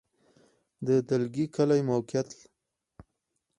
د دلکي کلی موقعیت